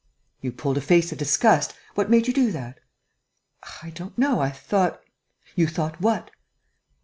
"You pulled a face of disgust ... what made you do that?" "I don't know ... I thought...." "You thought what?"